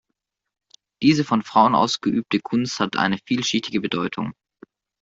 Diese von Frauen ausgeübte Kunst hat eine vielschichtige Bedeutung.